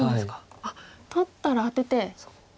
あっ取ったらアテて。